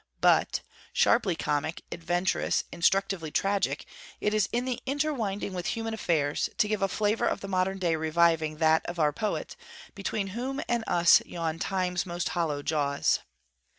But sharply comic, adventurous, instructively tragic, it is in the interwinding with human affairs, to give a flavour of the modern day reviving that of our Poet, between whom and us yawn Time's most hollow jaws.